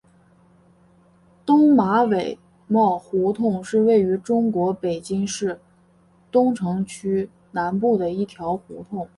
东马尾帽胡同是位于中国北京市东城区南部的一条胡同。